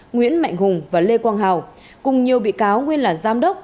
nguyễn mạnh hùng và lê quang hào cùng nhiều bị cáo nguyên là giám đốc